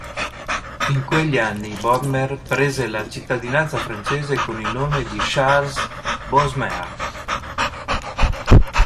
In quegli anni Bodmer prese la cittadinanza francese con il nome di Charles Bodmer.